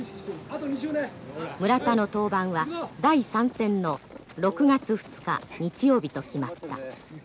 村田の登板は第３戦の６月２日日曜日と決まった。